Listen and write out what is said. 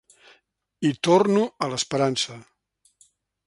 I torno a l’esperança.